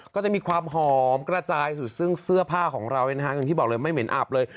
ก็จะมีความหอมกระจายสุดซึ่งเสื้อผ้าของเราอย่างที่บอกเลยไม่เหม็นอับเลย